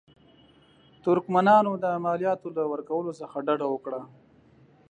ترکمنانو د مالیاتو له ورکولو څخه ډډه وکړه.